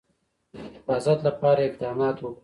د حفاظت لپاره اقدامات وکړو.